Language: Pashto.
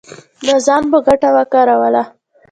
د ځان په ګټه وکاروله